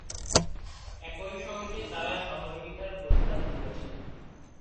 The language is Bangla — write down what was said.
একই সঙ্গে তারা সহযোগিতার প্রস্তাব দিয়েছে।